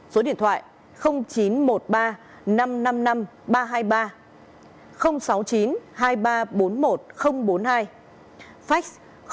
số điện thoại chín trăm một mươi ba năm trăm năm mươi năm ba trăm hai mươi ba sáu mươi chín hai nghìn ba trăm bốn mươi một bốn mươi hai fax sáu mươi chín hai nghìn ba trăm bốn mươi một bốn mươi bốn